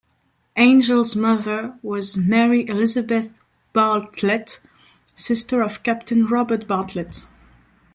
Angel's mother was Mary Elizabeth Bartlett, sister of Captain Robert Bartlett.